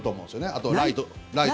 あとはライト。